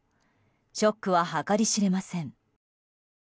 ショックは計り知れません。